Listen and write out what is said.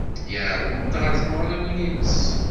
Iɛerreḍ-aɣ-d ɣer tmeɣriwin-nnes.